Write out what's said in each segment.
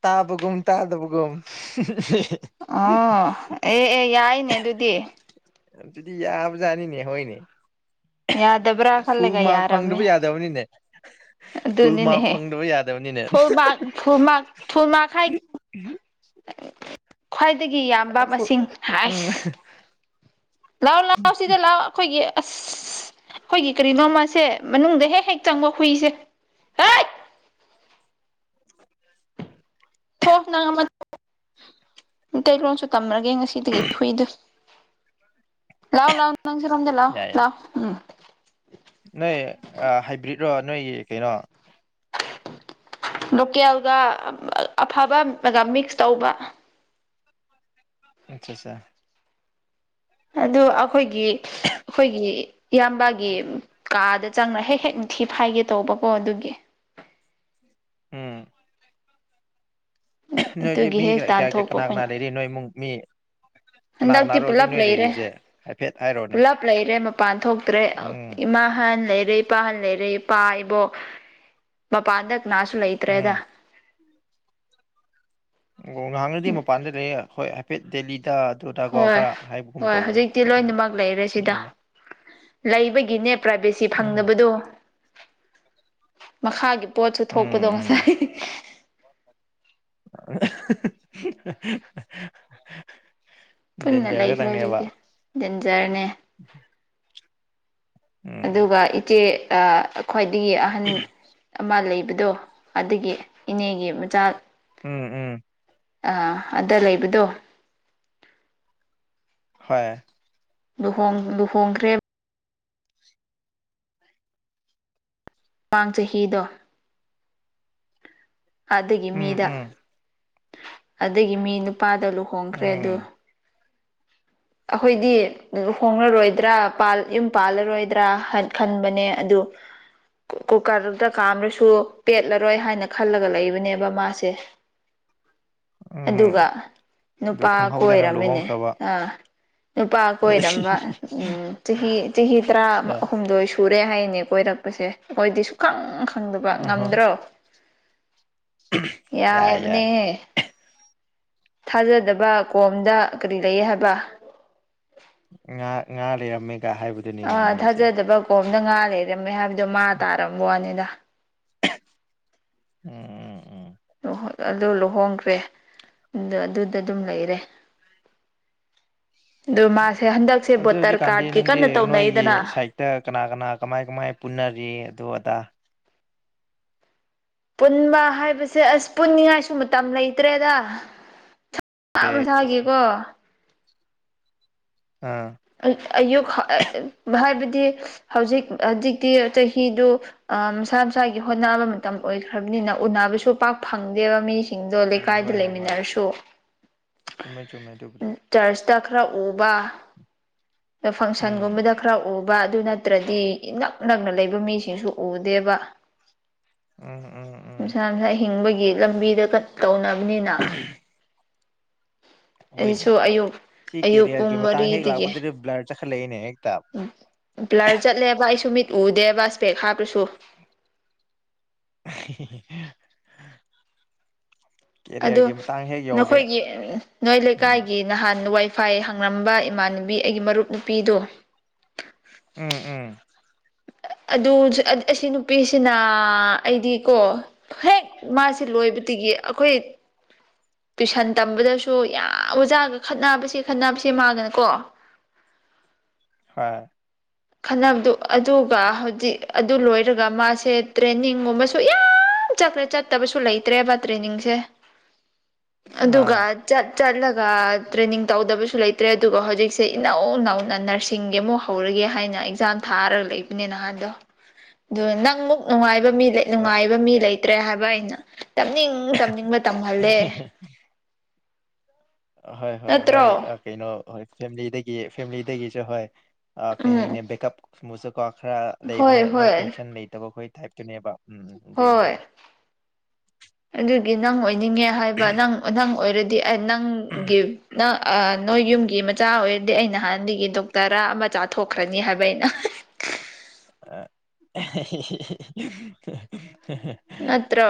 ꯇꯥꯕꯒꯨꯝ ꯇꯥꯗꯕꯒꯨꯝ [unintelligible] ꯑꯣ ꯑꯦ ꯑꯦ ꯌꯥꯏꯅꯦ ꯑꯗꯨꯗꯤ ꯑꯗꯨꯗꯤ ꯌꯕꯖꯥꯠꯅꯤꯅꯦ ꯍꯣꯏꯅꯦ ꯌꯥꯗꯕ꯭ꯔꯥ ꯐꯨꯜ ꯈꯜꯂꯒ ꯃꯥꯔꯛ ꯐꯪꯗꯕ ꯌꯥꯔꯝꯃꯦ ꯌꯥꯗꯕꯅꯤꯅꯦ ꯐꯨꯜ ꯃꯥꯔꯛ ꯑꯗꯨꯅꯤꯅꯦꯍꯦ ꯐꯪꯗꯕ ꯌꯥꯗꯕꯅꯤ full mark full mark full mark ꯍꯥꯏ ꯈ꯭ꯋꯥꯏ ꯗꯒꯤ ꯌꯥꯝꯕ ꯐꯨꯜ ꯃꯁꯤꯡ ꯎꯝ ꯍꯥꯏꯁ ꯂꯥꯎ ꯂꯥꯎꯁꯤꯗ ꯂꯥꯎ ꯑꯩꯈꯣꯏꯒꯤ ꯑꯁ ꯑꯩꯈꯣꯏꯒꯤ ꯀꯔꯤꯅꯣꯝꯃꯁꯦ ꯃꯅꯨꯡꯗ ꯍꯦꯛ ꯍꯦꯛ ꯆꯪꯕ ꯍꯨꯏꯁꯦ ꯍꯥꯏꯠ ꯊꯣ ꯅꯪ ꯑꯃ ꯃꯩꯇꯩꯂꯣꯟꯁꯨ ꯇꯝꯔꯒꯦ ꯉꯁꯤꯗꯒꯤ ꯍꯨꯏꯗꯨ ꯂꯥꯎ ꯂꯥꯎ ꯅꯪꯁꯤꯔꯣꯝꯗ ꯂꯥꯎ ꯌꯥꯏ ꯌꯥꯏ ꯂꯥꯎ ꯎꯝ ꯅꯣꯏ ꯍꯥꯏꯕ꯭ꯔꯤꯠꯔꯣ ꯅꯣꯏꯒꯤ ꯀꯩꯅꯣ ꯂꯣꯀꯦꯜꯒ ꯑꯐꯕꯒ ꯃꯤꯛꯁ ꯇꯧꯕ ꯑꯆꯥ ꯆꯥꯆ [unintelligible] ꯑꯗꯨ ꯑꯈꯣꯏꯒꯤ ꯑꯈꯣꯏꯒꯤ ꯏꯌꯥꯝꯕꯒꯤ ꯀꯥꯗ ꯆꯪꯔ ꯍꯦꯛ ꯍꯦꯛ ꯊꯤ ꯐꯥꯏꯒꯦ ꯇꯧꯕꯀꯣ ꯑꯗꯨꯒꯤ ꯎꯝ ꯅꯣꯏꯁꯦ ꯑꯗꯨꯒꯤ ꯃꯤ ꯍꯦꯛ ꯀꯌꯥ ꯇꯥꯟꯊꯣꯛꯄ ꯀꯅꯥ ꯑꯩꯈꯣꯏꯅ ꯀꯅꯥ ꯂꯩꯔꯤ ꯅꯣꯏ ꯏꯃꯨꯡ ꯃꯤ ꯀꯅꯥ ꯍꯟꯗꯛꯇꯤ ꯀꯅꯥꯔꯣ ꯍꯧꯖꯤꯛ ꯄꯨꯜꯂꯞ ꯅꯣꯏ ꯂꯩꯔꯦ ꯂꯩꯔꯤꯕꯁꯦ ꯍꯥꯏꯐꯦꯠ ꯍꯥꯏꯔꯣꯅꯦ ꯄꯨꯂꯞ ꯂꯩꯔꯦ ꯃꯄꯥꯟ ꯊꯣꯛꯇ꯭ꯔꯦ ꯎꯝ ꯏꯃꯥ ꯍꯥꯟ ꯂꯩꯔꯦ ꯏꯄꯥꯍꯟ ꯂꯩꯔꯦ ꯏꯄꯥ ꯏꯕꯣꯛ ꯃꯄꯥꯟꯗ ꯀꯅꯥꯁꯨ ꯎꯝ ꯂꯩꯇ꯭ꯔꯦꯗ ꯑꯣ ꯉꯍꯥꯟꯅꯗꯤ ꯃꯄꯥꯟꯗ ꯂꯩꯑꯧ ꯍꯣꯏ ꯍꯥꯏꯐꯦꯠ ꯗꯦꯜꯂꯤ ꯑꯗ ꯑꯗꯨꯗꯀꯣ ꯍꯣꯏ ꯈꯔ ꯍꯥꯏꯕꯒꯨꯝ ꯍꯣꯏ ꯇꯧꯕꯅꯦ ꯍꯧꯖꯤꯛꯇꯤ ꯎꯝ ꯂꯣꯏꯅꯃꯛ ꯂꯩꯔꯦ ꯁꯤꯗ ꯂꯩꯕꯒꯤꯅꯦ ꯄ꯭ꯔꯥꯏꯚꯦꯁꯤ ꯎꯝ ꯐꯪꯗꯕꯗꯣ ꯃꯈꯥꯒꯤ ꯄꯣꯠꯁꯨ ꯎꯝ ꯊꯣꯛꯄꯗꯣ ꯉꯁꯥꯏ ꯑꯍꯥ ꯍꯥ ꯍꯥ ꯄꯨꯟꯅ ꯂꯩꯈ꯭ꯔ ꯑꯗꯨꯗꯤ ꯗꯦꯟꯖꯔꯅꯦ ꯎꯝ ꯑꯗꯨꯒ ꯏꯆꯦ ꯑꯥ ꯈ꯭ꯋꯥꯏꯗꯒꯤ ꯑꯍꯟ ꯑꯃ ꯂꯩ ꯗꯣ ꯑꯗꯨꯒꯤ ꯏꯅꯦꯒꯤ ꯃꯆꯥ ꯎꯝ ꯎꯝ ꯑꯥ ꯑꯗ ꯂꯩꯕꯗꯣ ꯍꯣꯏ ꯂꯨꯍꯣꯡ ꯂꯨꯍꯣꯡꯈ꯭ꯔꯦ ꯃꯃꯥꯡ ꯆꯍꯤꯗꯣ ꯑꯗꯨꯒꯤ ꯎꯝ ꯃꯤꯗ ꯎꯝ ꯑꯗꯨꯒꯤ ꯃꯤ ꯅꯨꯄꯥꯗ ꯂꯨꯍꯣꯡꯈ꯭ꯔꯦ ꯑꯗꯨ ꯎꯝ ꯑꯩꯈꯣꯏꯗꯤ ꯂꯨꯍꯣꯡꯂꯔꯣꯏꯗ꯭ꯔ ꯌꯨꯝ ꯄꯥꯜꯂꯔꯣꯏꯗ꯭ꯔ ꯈꯟꯕꯅꯦ ꯑꯗꯨ [unintelligible] ꯀꯨꯀꯔꯗꯨꯗ ꯀꯥꯝꯔꯁꯨ ꯄꯦꯠꯂꯔꯣꯏ ꯍꯥꯏꯅ ꯈꯜꯂꯒ ꯂꯩꯕꯅꯦꯕ ꯃꯥꯁꯦ ꯎꯝ ꯑꯗꯨꯒ ꯑꯗꯨ ꯅꯨꯄꯥ ꯈꯪꯍꯧꯗꯅ ꯀꯣꯏꯔꯝꯃꯤꯅꯦ ꯂꯨꯍꯣꯡꯈ꯭ꯔꯕ ꯑꯥ ꯅꯨꯄꯥ ꯀꯣꯏꯔꯝꯕ ꯎꯝ ꯆꯍꯤ ꯆꯍꯤ ꯇꯔꯥ ꯍꯨꯝꯗꯣꯏ ꯁꯨꯔꯦ ꯍꯥꯏꯅꯦ ꯀꯣꯏꯔꯛꯄꯁꯦ ꯑꯩꯈꯣꯏꯗꯤ ꯁꯨꯛꯈꯪ ꯈꯪꯗꯕ ꯎꯝ ꯉꯝꯗ꯭ꯔꯣ ꯌꯥꯏ ꯌꯥꯏ ꯌꯥꯏꯕꯅꯦ ꯊꯥꯖꯗꯕ ꯀꯣꯝꯗ ꯀꯔꯤ ꯂꯩꯌꯦ ꯍꯥꯏꯕ ꯉ ꯉꯥꯔꯦ ꯂꯩꯔꯃꯃꯦꯒ ꯍꯥꯏꯕꯗꯨꯅꯤꯅꯦ ꯅꯣꯏꯁꯦ ꯑꯝꯗ ꯉꯥ ꯂꯩꯔꯝꯃꯦ ꯍꯥꯏꯕꯗꯣ ꯃꯥ ꯇꯥꯔꯝꯝꯕ ꯋꯥꯅꯤꯗ ꯎꯝ ꯎꯝ ꯑꯗꯨ ꯂꯨꯍꯣꯡꯈ꯭ꯔꯦ ꯑꯗꯨꯗ ꯑꯗꯨꯝ ꯂꯩꯔꯦ ꯑꯗꯨ ꯃꯥꯁꯦ ꯍꯟꯗꯛꯁꯦ ꯑꯗꯨ ꯚꯣꯇꯔ ꯍꯧꯖꯤꯛꯀꯥꯟꯗꯤ ꯀꯥꯔꯠꯀꯤ ꯅꯪꯗꯤ ꯀꯟꯅ ꯅꯣꯏꯒꯤ ꯇꯧꯅꯕꯤꯗꯅ ꯁꯥꯏꯠꯇ ꯀꯅꯥ ꯀꯅꯥ ꯀꯃꯥꯏ ꯀꯃꯥꯏ ꯄꯨꯟꯅꯔꯤ ꯑꯗꯨ ꯑꯗꯥ ꯄꯨꯟꯕ ꯍꯥꯏꯕꯁꯦ ꯑꯁ ꯄꯨꯟꯅꯤꯡꯉꯥꯏꯁꯨ ꯃꯇꯝ ꯂꯩꯇ꯭ꯔꯦꯗ ꯃꯁꯥ ꯀꯩ ꯃꯁꯥꯒꯤꯀꯣ ꯑꯥ ꯑꯌꯨꯛ ꯍꯥ ꯑꯥ ꯍꯥꯏꯕꯗꯤ ꯍꯧꯖꯤꯛ ꯍꯧꯖꯤꯛꯇꯤ ꯆꯍꯤꯗꯨ ꯑꯥ ꯃꯁꯥ ꯃꯁꯥꯒꯤ ꯍꯣꯠꯅꯕ ꯃꯇꯝ ꯑꯣꯏꯈ꯭ꯔꯕꯅꯤ ꯎꯅ ꯎꯅꯕꯁꯨ ꯄꯥꯛ ꯐꯪꯗꯦꯕ ꯃꯤꯁꯤꯡꯗꯣ ꯎꯝ ꯂꯩꯀꯥꯏꯗ ꯍꯣꯏ ꯍꯣꯏ ꯍꯣꯏ ꯂꯩꯃꯤꯟꯅꯔꯁꯨ ꯆꯨꯝꯃꯦ ꯆꯨꯝꯃꯦ ꯗꯨꯕꯨꯗꯤ ꯆꯔꯆꯇ ꯈꯔ ꯎꯕ ꯃꯐꯪ ꯎꯝ ꯁꯟꯒꯨꯝꯕꯗ ꯈꯔ ꯎ ꯕ ꯑꯗꯨ ꯅꯠꯇ꯭ꯔꯗꯤ ꯏꯅꯛ ꯅꯛꯅ ꯂꯩꯕ ꯃꯤꯁꯤꯡꯁꯨ ꯎꯗꯦꯕ ꯎꯝ ꯎꯝ ꯎꯝ ꯃꯁꯥ ꯃꯁꯥ ꯍꯤꯡꯕꯒꯤ ꯂꯝꯕꯤꯗ ꯀ ꯇꯧꯅꯕꯅꯤꯅ ꯍꯣꯏꯅꯦ ꯑꯩꯁꯨ ꯑꯌꯨꯛ ꯁꯤ ꯑꯌꯨꯛ ꯀꯦꯔꯤꯌꯔꯒꯤ ꯄꯨꯡ ꯃꯇꯥꯡ ꯍꯦꯛ ꯂꯥꯛꯄꯗꯗꯤ ꯕ꯭ꯂꯔ ꯆꯠꯈꯠꯂꯛꯏꯅꯦ ꯍꯦ ꯎꯝ ꯕ꯭ꯂꯔ ꯆꯠꯂꯦꯕ ꯑꯩꯁꯨ ꯃꯤꯠ ꯎꯗꯦꯕ ꯁꯄꯦꯛ ꯍꯥꯞꯔꯁꯨ ꯑꯍꯦ ꯍꯦ ꯍꯦ ꯑꯗꯣ ꯅꯈꯣꯏꯒꯤ ꯑꯥ ꯅꯣꯏ ꯎꯝ ꯂꯩꯀꯥꯏꯒꯤ ꯅꯍꯥꯟ ꯋꯥꯏ ꯐꯥꯢ ꯍꯪꯂꯝꯝꯕ ꯏꯃꯥꯟꯅꯕꯤ ꯑꯩꯒꯤ ꯃꯔꯨꯞ ꯅꯨꯄꯤꯗꯣ ꯎꯝ ꯎꯝ ꯑꯗꯨ ꯑꯥ ꯑꯁꯤ ꯅꯨꯄꯤꯁꯤꯅ ꯑꯩꯗꯤ ꯀꯣ ꯍꯦꯛ ꯃꯥꯁꯤ ꯂꯣꯏ ꯂꯣꯏꯕꯗꯒꯤ ꯑꯩꯈꯣꯏ ꯇꯨꯏꯁꯟ ꯇꯝꯕꯗꯁꯨ ꯌꯥꯝ ꯑꯣꯖꯥꯒ ꯈꯠꯅꯕꯁꯦ ꯈꯠꯅꯕꯁꯦ ꯃꯥꯒꯀꯣ [inaudible] ꯍꯣꯏ ꯈꯟꯅꯕꯗꯨ ꯑꯗꯨꯒ ꯍꯧꯖꯤꯛ ꯑꯗꯨ ꯂꯣꯏꯔꯒ ꯃꯥꯁꯦ ꯇ꯭ꯔꯦꯅꯤꯡꯒꯨꯝꯕꯁꯨ ꯌꯥꯝ ꯌꯥꯝ ꯆꯠꯄꯅꯦ ꯆꯠꯇꯕꯁꯨ ꯂꯩꯇ꯭ꯔꯦꯕ ꯇ꯭ꯔꯦꯅꯤꯡꯁꯦ ꯑꯗꯨꯒ ꯑꯥ ꯆꯠ ꯆꯠꯂ ꯒ ꯇ꯭ꯔꯦꯅꯤꯡ ꯇꯧꯗꯕꯁꯨ ꯂꯩꯇ꯭ꯔꯦ ꯑꯗꯨꯒ ꯍꯧꯖꯤꯛꯁꯦ ꯏꯅꯧ ꯅꯧꯅ ꯅꯔꯁꯤꯡꯒꯤ ꯑꯃꯨꯛ ꯍꯧꯔꯒꯦ ꯍꯥꯏꯅ ꯅ ꯑꯦꯛꯖꯥꯝ ꯊꯥꯔꯒ ꯂꯩꯕꯅꯦ ꯅꯍꯥꯟꯗꯣ ꯗꯣ ꯅꯪꯃꯨꯛ ꯅꯨꯡꯉꯥꯢ ꯉꯥꯏꯕ ꯃꯤ ꯂꯩ ꯅꯨꯡꯉꯥꯏꯕ ꯃꯤ ꯂꯩꯇ꯭ꯔꯦ ꯍꯥꯏꯕ ꯑꯩꯅ ꯇꯝꯅꯤꯡ ꯇꯝꯅꯤꯡꯕ ꯇꯝꯍꯜꯂꯦ ꯍꯣꯏ ꯍꯣꯏ ꯃꯣꯏ ꯅꯠꯇ꯭ꯔꯣ ꯑꯥ ꯀꯩꯅꯣ ꯐꯦꯃꯤꯂꯤꯗꯒꯤ ꯐꯦꯃꯤꯂꯤꯗꯒꯤꯁꯨ ꯍꯣꯏ ꯑ ꯀꯩ ꯎꯝ ꯍꯥꯏꯅꯤ ꯕꯦꯀꯞ ꯁꯨꯃꯁꯨꯀꯣ ꯈꯔ ꯍꯣꯏ ꯂꯩꯕꯅꯦ ꯃꯣꯏ ꯍꯣꯏ ꯇꯦꯟꯁꯟ ꯂꯩꯇꯕ ꯑꯩꯈꯣꯏ ꯇꯥꯏꯞꯇꯨꯅꯦꯕ ꯎꯝ ꯍꯣꯏ ꯑꯗꯨꯢꯅꯦꯗ ꯒꯤ ꯅꯪ ꯑꯣꯏꯅꯤꯡꯉꯦ ꯍꯥꯏꯕ ꯅꯪ ꯅꯪ ꯑꯣꯏꯔꯗꯤ ꯑꯩ ꯅꯪ ꯒꯤ ꯅ ꯑꯥ ꯅꯣꯏ ꯌꯨꯝꯒꯤ ꯃꯆꯥ ꯑꯣꯏꯔꯗꯤ ꯑꯩ ꯅꯍꯥꯟꯗꯒꯤ ꯗꯣꯛꯇꯔ ꯔ ꯑꯃ ꯆꯥꯊꯣꯛꯈ꯭ꯔꯅꯤ ꯍꯥꯏꯕ ꯑꯩꯅ ꯑꯍ [inaudible] ꯑ ꯍꯤ ꯍꯤ ꯍ ꯍ ꯅꯠꯇ꯭ꯔꯣ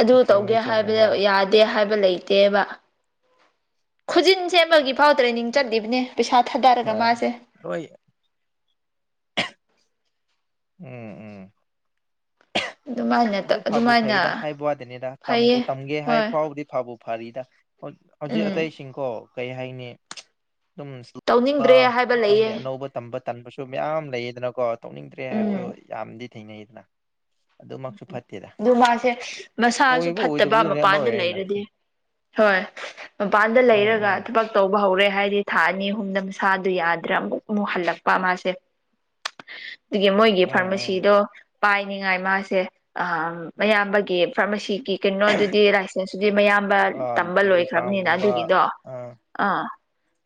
ꯑꯗꯨ ꯆꯨꯝꯃꯦ ꯇꯧꯒꯦ ꯆꯨꯝꯃꯦ ꯍꯥꯏꯕꯗ ꯍꯣꯏ ꯌꯥꯗꯦ ꯍꯥꯏꯕ ꯂꯩ ꯇꯦꯕ ꯈꯨꯖꯤꯟ ꯁꯦꯝꯕꯒꯤ ꯐꯥꯎ ꯇ꯭ꯔꯦꯅꯤꯡ ꯆꯠꯂꯤꯕꯅꯦ ꯄꯩꯁꯥ ꯊꯥꯗꯔꯒ ꯍꯣꯏ ꯃꯥꯁꯦ ꯂꯣꯏ ꯎꯝ ꯎꯝ ꯑꯗꯨꯃꯥꯏꯅ ꯑꯗꯨ ꯐꯥꯕꯨ ꯑꯗꯨꯃꯥꯏꯅ ꯐꯩꯗ ꯍꯥꯏꯕ ꯋꯥꯗꯅꯤꯗ ꯇꯝꯕꯨ ꯐꯩꯌꯦ ꯇꯝꯒꯦ ꯍꯥꯏꯕ ꯍꯣꯏ ꯐꯥꯎꯕꯗꯤ ꯐꯕꯨ ꯐꯔꯤꯗ ꯍꯧꯖꯤꯛ ꯎꯝ ꯑꯇꯩꯁꯤꯡꯀꯣ ꯀꯩ ꯍꯥꯏꯅꯤ ꯑꯗꯨꯝ ꯕ ꯇꯧꯅꯤꯡꯗ꯭ꯔꯦ ꯍꯥꯏꯕ ꯈꯪꯗꯦ ꯂꯩꯌꯦ ꯑꯅꯧꯕ ꯇꯝꯕ ꯇꯟꯕꯁꯨ ꯃꯌꯥꯝ ꯂꯩꯌꯦꯗꯅꯀꯣ ꯇꯧꯅꯤꯡꯗ꯭ꯔꯦ ꯍꯥꯏꯕꯁꯨ ꯎꯝ ꯌꯥꯝꯗꯤ ꯊꯦꯡꯅꯩꯗ ꯑꯗꯨꯃꯛꯁꯨ ꯐꯠꯇꯦꯗ ꯑꯗꯨ ꯃꯥꯁꯦ ꯃꯁꯥꯁꯨ ꯑꯣꯏꯕ ꯐꯠꯇꯕ ꯑꯣꯏꯗꯕꯗꯨꯅꯦ ꯑꯃ ꯃꯄꯥꯟꯗ ꯑꯣꯏꯔꯦꯅ ꯂꯩꯔꯗꯤ ꯍꯣꯏ ꯃꯄꯥꯟꯗ ꯎꯝ ꯂꯩꯔꯒ ꯎꯝ ꯊꯕꯛ ꯇꯧꯕ ꯍꯧꯔꯦ ꯍꯥꯏꯗꯤ ꯊꯥ ꯑꯅꯤ ꯑꯍꯨꯝꯗ ꯃꯁꯥꯗꯨ ꯌꯥꯗ꯭ꯔ ꯑꯃꯨꯛ ꯑꯃꯨꯛ ꯍꯜꯂꯛꯄ ꯃꯥꯁꯦ ꯑꯗꯨꯒꯤ ꯃꯣꯏꯒꯤ ꯎꯝ ꯎꯝ ꯐꯥꯔꯃꯥꯁꯤꯗꯣ ꯄꯥꯏꯅꯤꯉꯥꯏ ꯃꯥꯁꯦ ꯑꯥ ꯃꯌꯥꯝꯕꯒꯤ ꯐꯥꯔꯃꯥꯁꯤ ꯒꯤ ꯀꯩꯅꯣꯗꯨꯗꯤ ꯂꯥꯏꯁꯦꯟꯁꯇꯨꯗꯤ ꯃꯌꯥꯝꯕ ꯑꯥ ꯇꯝꯕ ꯂꯣꯏꯈ꯭ꯔꯕꯅꯤꯅ ꯕꯤꯐꯥꯝꯒꯨꯝꯕ ꯑꯗꯨꯒꯤꯗꯣ ꯑꯥ ꯑꯥ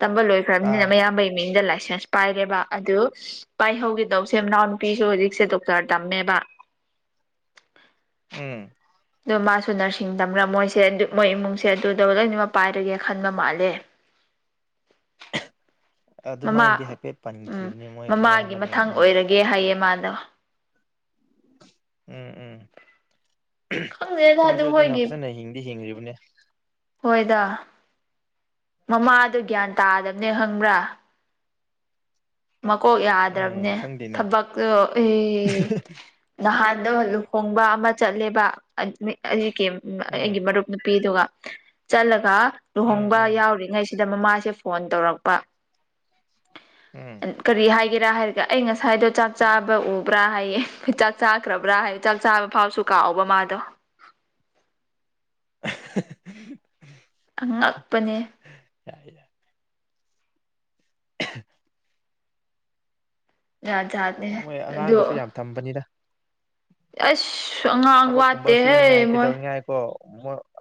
ꯇꯝꯕ ꯂꯣꯏꯈ꯭ꯔꯕꯅꯤꯅ ꯑꯥ ꯃꯌꯥꯝꯕꯒꯤ ꯃꯤꯡꯗ ꯂꯥꯏꯁꯦꯟꯁ ꯁꯦꯟꯁ ꯄꯥꯏꯔꯦꯕ ꯑꯗꯨ ꯄꯥꯏꯍꯧꯈꯤꯗꯧꯁꯦ ꯃꯅꯥꯎ ꯅꯨꯄꯤꯁꯨ ꯍꯧꯖꯤꯛꯁꯦ ꯗꯣꯛꯇꯔ ꯇꯝꯃꯦꯕ [inaudible] ꯎꯝ ꯑꯗꯣ ꯃꯥꯁꯨ ꯅꯔꯁꯤꯡ ꯇꯝꯔꯥ ꯃꯣꯏꯁꯦ ꯃꯣꯏ ꯏꯃꯨꯡꯁꯦ ꯑꯗꯨꯗ ꯂꯣꯏꯅꯃꯛ ꯄꯥꯏꯔꯒꯦ ꯈꯟꯕ ꯃꯥꯜꯂꯦ [inaudible] ꯃꯃꯥ ꯑꯗꯨꯃꯥꯏꯅꯗꯤ ꯍꯥꯏꯐꯦꯠ ꯎꯝ ꯄꯟꯈꯤꯕꯅꯦ ꯃꯣꯏ ꯃꯃꯥꯒꯤ ꯃꯌꯥꯝꯕꯅ ꯃꯊꯪ ꯎꯝ ꯑꯣꯏꯔꯒꯦ ꯍꯥꯏꯌꯦ ꯃꯥ ꯗ ꯎꯝ ꯎꯝ ꯈꯪꯗꯦꯗ ꯃꯣꯏꯁꯨ ꯑꯗꯨ ꯑꯗꯨꯅ ꯃꯣꯏꯒꯤ ꯐꯖꯅ ꯍꯤꯡꯗꯤ ꯍꯤꯡꯉꯤꯕꯅꯦ ꯍꯣꯏꯗ ꯃꯃꯥꯗꯣ ꯒ꯭ꯌꯥꯟ ꯇꯥꯗꯕꯅꯦ ꯈꯪꯕ꯭ꯔꯥ ꯃꯀꯣꯛ ꯎꯝ ꯌꯥꯗ꯭ꯔꯕꯅꯦ ꯈꯪꯗꯦꯅꯦ ꯊꯕꯛꯇꯣ ꯏ ꯅꯍꯥꯟ ꯗꯣ ꯂꯨꯍꯣꯡꯕ ꯑꯃ ꯆꯠꯂꯦꯕ ꯑꯗ ꯑꯩꯒꯤ ꯎꯝ ꯑꯩꯒꯤ ꯃꯔꯨꯞ ꯅꯨꯄꯤꯗꯨꯒ ꯆꯠꯂꯒ ꯎꯝ ꯂꯨꯍꯣꯡꯕ ꯎꯝ ꯌꯥꯎꯔꯤꯉꯩꯁꯤ ꯗ ꯃꯃꯥꯁꯦ ꯐꯣꯟ ꯇꯧꯔꯛꯄ ꯎꯝ ꯀꯔꯤ ꯍꯥꯏꯒꯦꯔꯥ ꯍꯥꯏꯔꯒ ꯑꯩ ꯉꯁꯥꯏꯗꯣ ꯆꯥꯛ ꯆꯥꯕ ꯎ ꯕ꯭ꯔꯥ ꯍꯥꯏꯌꯦ ꯆꯥꯛ ꯆꯥꯈ꯭ꯔꯕ꯭ꯔꯥ ꯍꯥꯏꯌꯦ ꯆꯥꯛ ꯆꯥꯕ ꯐꯥꯎꯁꯨ ꯀꯥꯎꯕ ꯃꯥꯗꯣ [inaudible] ꯑꯍꯥꯍꯥ ꯑꯉꯛꯄꯅꯦ ꯌꯥꯢꯗ [unintelligible] ꯖꯥꯠ ꯖꯥꯠꯅꯦꯍꯦ ꯃꯣꯏ ꯑꯗꯨ ꯑꯉꯥꯡꯒꯁꯨ ꯌꯥꯝ ꯊꯝꯕꯅꯤꯗ ꯑꯁ ꯑꯉꯥꯡ ꯊꯕꯛ ꯀꯨꯝꯕ ꯁꯨꯅꯤꯡꯉꯥꯏ ꯋꯥꯠꯇꯦꯍꯦ ꯃꯣꯏ ꯀꯩꯗꯧꯅꯤꯉꯥꯏꯀꯣ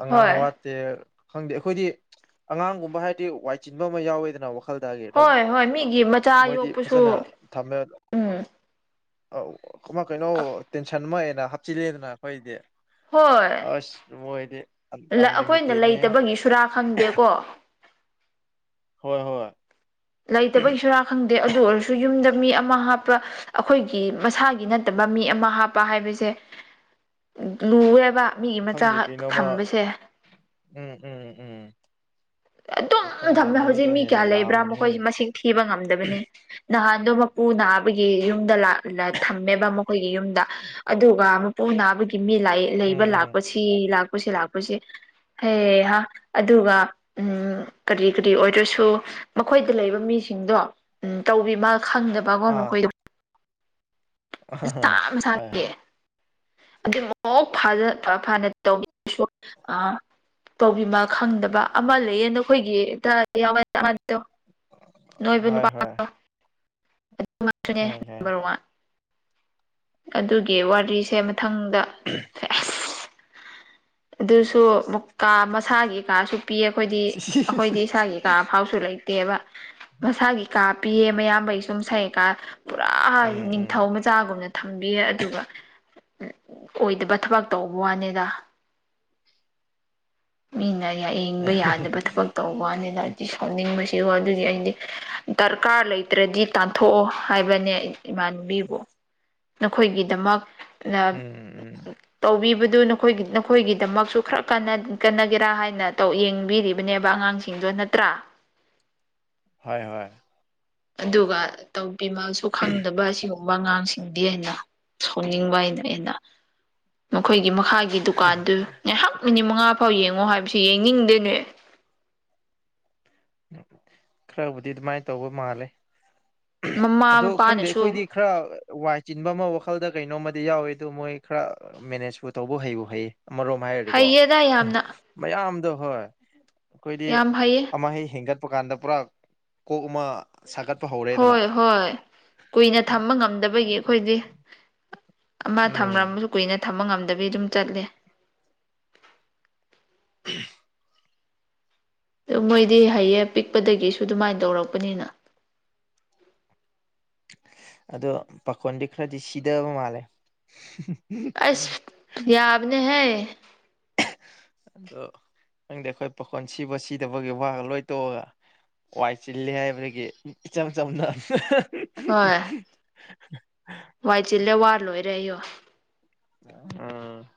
ꯑꯉꯥꯡ ꯍꯣꯏ ꯋꯥꯠꯇꯦ ꯈꯪꯗꯦ ꯑꯩꯈꯣꯏꯗꯤ ꯑꯉꯥꯡꯒꯨꯝꯕ ꯍꯥꯏꯔꯇꯤ ꯋꯥꯏ ꯆꯤꯟꯕ ꯑꯃ ꯌꯥꯎꯋꯦꯗꯅ ꯋꯥꯈꯜ ꯍꯣꯏ ꯍꯣꯏ ꯃꯤꯒꯤ ꯃꯆꯥ ꯌꯣꯛꯄꯁꯨ ꯎꯝ ꯑꯧ ꯑꯃ ꯀꯩꯅꯣ ꯇꯦꯟꯁꯟ ꯑꯃ ꯍꯦꯟꯅ ꯍꯥꯞꯆꯤꯜꯂꯦꯗꯅ ꯑꯩꯈꯣꯏꯗꯤ ꯑꯁ ꯃꯣꯏꯗꯤ ꯂ ꯑꯈꯣꯏꯅ ꯑꯟꯂꯤꯃꯤꯇꯦꯠꯅꯦ ꯂꯩꯇꯕꯒꯤ ꯁꯨꯔꯥ ꯈꯪꯗꯦꯀꯣ ꯍꯣꯏ ꯍꯣꯏ ꯂꯩꯇꯕꯒꯤꯁꯨꯣꯔꯥ ꯈꯪꯗꯦ ꯑꯗꯨ ꯑꯣꯏꯔꯁꯨ ꯌꯨꯝꯗ ꯃꯤ ꯑꯃ ꯍꯥꯞꯄ ꯑꯩꯈꯣꯏꯒꯤ ꯃꯁꯥꯒꯤ ꯅꯠꯇꯕ ꯃꯤ ꯑꯃ ꯍꯥꯞꯄ ꯍꯥꯏꯕꯁꯦ ꯂꯨꯋꯦ ꯕ ꯃꯤꯒꯤ ꯃꯆꯥ ꯈꯪꯗꯦ ꯀꯩꯅꯣꯃ ꯊꯝꯕꯁꯦ ꯎꯝ ꯎꯝ ꯎꯝ ꯑꯗꯨꯝ ꯑꯗꯣ ꯈꯪꯗꯦ ꯊꯝꯃꯦ ꯍꯧꯖꯤꯛ ꯃꯣꯏꯗ ꯃꯤ ꯍꯦꯟꯅ ꯀꯌꯥ ꯂꯩꯕ꯭ꯔꯥ ꯌꯥꯝꯕꯅꯦꯍꯦ ꯃꯈꯣꯏꯁꯤ ꯃꯁꯤꯡ ꯊꯤꯕ ꯉꯝꯗꯕꯅꯦ ꯅꯍꯥꯟꯗꯣ ꯃꯄꯨ ꯅꯥꯕꯒꯤ ꯌꯨꯝꯗ ꯂꯥꯛ ꯂ ꯊꯝꯃꯦꯕ ꯃꯈꯣꯏꯒꯤ ꯌꯨꯝꯗ ꯑꯗꯨꯒ ꯃꯄꯨ ꯅꯥꯕꯒꯤ ꯃꯤ ꯂꯥꯢ ꯎꯝ ꯂꯩꯕ ꯎꯝ ꯂꯥꯛꯄꯁꯤ ꯂꯥꯛ ꯂꯥꯛꯄꯁꯤ ꯂꯥꯛꯄꯁꯤ ꯍꯩꯍꯥ ꯑꯗꯨꯒ ꯎꯝ ꯀꯔꯤ ꯀꯔꯤ ꯑꯣꯏꯗ꯭ꯔꯁꯨ ꯃꯈꯣꯏꯗ ꯂꯩꯕ ꯃꯤꯁꯤꯡꯗꯣ ꯎꯝ ꯇꯧꯕꯤꯃꯥꯜ ꯈꯪꯗꯕꯀꯣ ꯃꯈꯣꯏꯗꯣ ꯑꯍꯥꯍꯥ ꯍꯣꯏ ꯍꯣꯏ ꯑꯗꯨꯃꯛ ꯐꯖ ꯐꯐꯅ ꯇꯧꯕꯤꯁꯨ ꯑ ꯇꯧꯕꯤꯃꯥꯜ ꯈꯪꯗꯕ ꯑꯃ ꯂꯩꯌꯦ ꯅꯈꯣꯏꯒꯤ ꯗ [unintelligible] [unintelligible] ꯍꯣꯏ ꯍꯣꯏ ꯑꯗꯨꯃꯛꯁꯨꯅꯦ ꯈꯪꯉꯦ ꯅꯝꯕꯔ ꯋꯥꯟ ꯑꯗꯨꯒꯤ ꯋꯥꯔꯤꯁꯦ ꯃꯊꯪꯗ ꯑꯁ ꯑꯗꯨꯁꯨ ꯃꯛ ꯀꯥ ꯃꯁꯥꯒꯤ ꯀꯥꯁꯨ ꯄꯤꯌꯦ ꯑꯈꯣꯏꯗꯤ ꯑꯍꯣꯏꯗꯤ ꯈꯪꯉꯦ ꯏꯁꯥꯒꯤ ꯀꯥ ꯐꯥꯎꯁꯨ ꯂꯩꯇꯦꯕ ꯃꯁꯥꯒꯤ ꯀꯥ ꯄꯤꯌꯦ ꯃꯌꯥꯝꯕꯩꯁꯨ ꯃꯁꯥꯏ ꯀꯥ ꯄꯨꯔꯥ ꯎꯝ ꯅꯤꯡꯊꯧ ꯎꯝ ꯃꯆꯥꯒꯨꯝꯅ ꯊꯝꯕꯤꯌꯦ ꯑꯗꯨꯒ [unintelligible] ꯑꯣꯏꯗꯕ ꯊꯕꯥꯛ ꯇꯧꯕꯨꯋꯥꯅꯦꯗ ꯃꯤꯅ ꯌ ꯌꯦꯡꯕ ꯌꯥꯗꯕ ꯊꯕꯛ ꯇꯧꯕꯅꯤꯅꯗꯤ ꯁꯥꯎꯅꯤꯡꯕꯁꯤ ꯑꯗꯨꯗꯤ ꯑꯩꯗꯤ ꯗꯔꯀꯥꯔ ꯂꯩꯇ꯭ꯔꯗꯤ ꯇꯥꯟꯊꯣꯛꯑꯣ ꯍꯥꯏꯕꯅꯦ ꯏꯃꯥꯟꯅꯕꯤꯕꯨ ꯅꯈꯣꯏꯒꯤꯗꯃꯛ ꯅ ꯎꯝ ꯎꯝ [unintelligible] ꯇꯧꯕꯤꯕꯗꯨ ꯅꯈꯣꯏꯒꯤ ꯑꯩꯈꯣꯏꯒꯤꯗꯃꯛꯁꯨ ꯈꯔ ꯀꯥꯟꯅ ꯀꯅꯒꯦꯔꯥ ꯍꯥꯏꯅ ꯇꯧ ꯌꯦꯡꯕꯤꯔꯤꯕꯅꯦꯕ ꯑꯉꯥꯡꯁꯤꯡꯗꯨ ꯅꯠꯇ꯭ꯔꯥ [inaudible] ꯍꯣꯏ ꯍꯣꯏ ꯑꯗꯨꯒ ꯇꯧꯕꯤꯃꯜꯁꯨ ꯈꯪꯗꯕ ꯑꯁꯤ ꯃꯉꯥꯡꯁꯤꯡꯗꯤ ꯑꯩꯅ ꯁꯥꯎꯅꯤꯡꯕ ꯍꯥꯏꯅ ꯑꯩꯅ ꯃꯈꯣꯏ ꯒꯤ ꯃꯈꯥꯒꯤ ꯗꯨꯀꯥꯟꯗꯨ ꯉꯥꯏꯍꯥꯛ ꯃꯤꯅꯤꯠ ꯃꯉꯥ ꯐꯥꯎ ꯌꯦꯡꯉꯣ ꯍꯥꯏꯕꯁꯤ ꯌꯦꯡꯅꯤꯡꯗꯦꯅꯦ ꯈꯔꯕꯨꯗꯤ ꯑꯗꯨꯃꯥꯏ ꯇꯧꯕ ꯃꯥꯜꯂꯦ [unintelligible] ꯑꯗꯣ ꯃꯃꯥ ꯈꯪꯗꯦ ꯃꯄꯥꯅꯁꯨ ꯑꯩꯈꯣꯏꯗꯤ ꯈꯔ ꯋꯥꯏ ꯆꯤꯟꯕ ꯑꯃ ꯋꯥꯈꯜ ꯈꯜꯗ ꯀꯩꯅꯣꯝꯃꯗꯤ ꯌꯥꯎꯏ ꯑꯗꯨ ꯃꯣꯏ ꯈꯔ ꯃꯦꯅꯦꯖꯄꯨ ꯇꯧꯕ ꯍꯩꯕꯨ ꯍꯩꯌꯦ ꯑꯃꯔꯣꯝ ꯍꯥꯏꯔꯗꯤꯀꯣ ꯍꯩꯌꯦꯗ ꯍꯥ ꯌꯥꯝꯅ ꯃꯌꯥꯝꯗꯣ ꯍꯣꯏ ꯑꯩꯈꯣꯏꯗꯤ ꯌꯥꯝ ꯍꯩꯌꯦ ꯑꯃꯩ ꯍꯦꯟꯒꯠꯄ ꯀꯥꯟꯗ ꯄꯨꯔꯥ ꯀꯣꯛ ꯑꯃ ꯁꯥꯒꯠꯄ ꯍꯧꯔꯦꯗꯅ ꯍꯣꯏ ꯍꯣꯏ ꯀꯨꯏꯅ ꯊꯝꯕ ꯉꯝꯗꯕꯒꯤ ꯑꯩꯈꯣꯏꯗꯤ ꯑꯃ ꯎꯝ ꯊꯝꯔꯝꯕꯁꯨ ꯀꯨꯏꯅ ꯊꯝꯕ ꯉꯝꯗꯕꯤ ꯑꯗꯨꯝ ꯆꯠꯂꯦ [unintelligible] ꯃꯣꯏꯗꯤ ꯍꯩꯌꯦ ꯄꯤꯛꯄꯗꯒꯤꯁꯨ ꯑꯗꯨꯃꯥꯏ ꯇꯧꯔꯛꯄꯅꯤꯅ [inaudible] ꯑꯗꯣ ꯄꯥꯈꯣꯟꯗꯤ ꯈꯔꯗꯤ ꯁꯤꯗꯕ ꯃꯥꯜꯂꯦ ꯑꯁ ꯌꯥꯕꯅꯦ ꯍꯦ ꯑꯗꯣ ꯅꯪꯗꯤ ꯑꯩꯈꯣꯏ ꯄꯥꯈꯣꯟ ꯁꯤꯕ ꯁꯤꯗꯕꯒꯤ ꯋꯥꯒ ꯂꯣꯏ ꯇꯣꯛꯑꯒ ꯋꯥꯏ ꯆꯤꯜꯂꯤ ꯍꯥꯏꯕꯒꯤ ꯏꯆꯝ ꯆꯝꯅ ꯍꯣꯏ ꯋꯥꯏ ꯆꯤꯜꯂꯦ ꯋꯥ ꯂꯣꯏꯔꯦ ꯌꯣ ꯎꯝ